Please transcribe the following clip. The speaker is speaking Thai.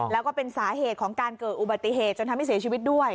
แล้วก็เป็นสาเหตุของการเกิดอุบัติเหตุจนทำให้เสียชีวิตด้วย